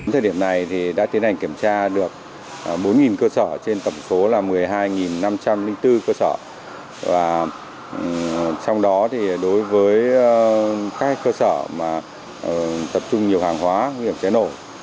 thời điểm này đã tiến hành kiểm tra được bốn cơ sở trên tổng số là một mươi hai năm trăm linh bốn cơ sở và trong đó đối với các cơ sở tập trung nhiều hàng hóa nguy hiểm cháy nổ